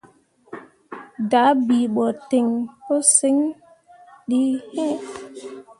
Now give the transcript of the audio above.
Dah bii ɓo ten pu siŋ di iŋ.